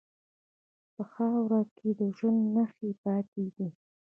په خاوره کې د ژوند نښې پاتې دي.